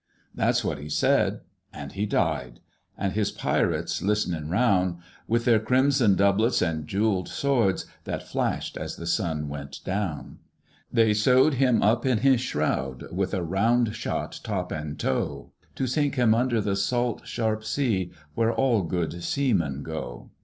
"That's what he said; and he died, An' his pirates, listenin' roun', With their crimson doublets and jewelled swords That flashed as the sun went down, "They sewed him up in his shroud With a round shot top and toe, To sink him under the salt sharp sea Where all good seamen go.